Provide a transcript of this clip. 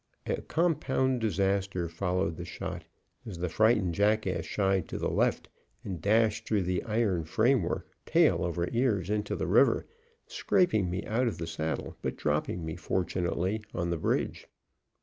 A compound disaster followed the shot as the frightened jackass shied to the left and dashed through the iron frame work, tail over ears into the river, scraping me out of the saddle, but dropping me, fortunately, on the bridge.